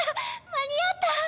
間に合った！